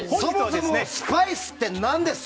そもそもスパイスって何ですか？